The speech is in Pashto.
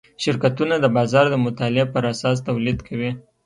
شرکتونه د بازار د مطالعې پراساس تولید کوي.